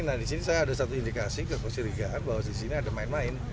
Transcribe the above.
nah disini saya ada satu indikasi ke kursi rigaan bahwa disini ada main main